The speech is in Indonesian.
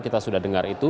kita sudah dengar itu